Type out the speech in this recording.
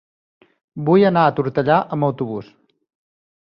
Vull anar a Tortellà amb autobús.